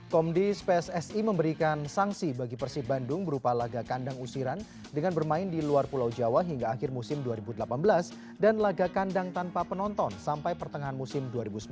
komdis pssi memberikan sanksi bagi persib bandung berupa laga kandang usiran dengan bermain di luar pulau jawa hingga akhir musim dua ribu delapan belas dan laga kandang tanpa penonton sampai pertengahan musim dua ribu sembilan belas